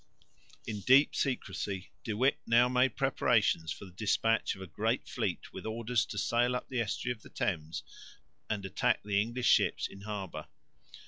In deep secrecy De Witt now made preparations for the despatch of a great fleet with orders to sail up the estuary of the Thames and attack the English ships in harbour.